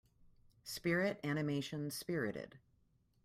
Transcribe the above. Spirit animation Spirited.